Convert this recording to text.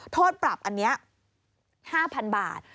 โทษปรับอันนี้๕๐๐๐บาท